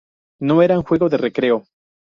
No era un juego de recreo.